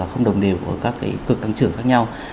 không đồng đều ở các cực tăng trưởng khác nhau